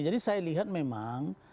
jadi saya lihat memang